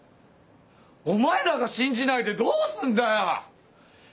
お前らが信じないでどうすんだよ